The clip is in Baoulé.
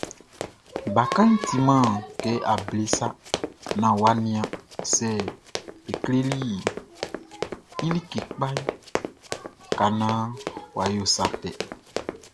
Bakanʼn timan kɛ able sa naan wʼa nian sɛ be kleli i like kpa ka naan wʼa yo sa tɛ.